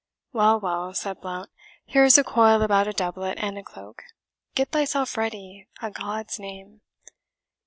"Well, well," said Blount, "here is a coil about a doublet and a cloak. Get thyself ready, a God's name!"